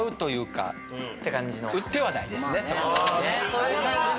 そういう感じね。